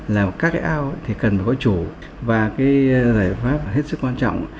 là các cái ao thì cần phải có chủ và cái giải pháp là hết sức quan trọng